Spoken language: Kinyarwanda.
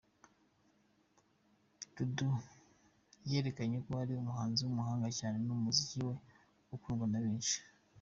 Dudu yerekanye ko ari umuhanzi w'umuhanga cyane mu muziki we ukundwa na benshi.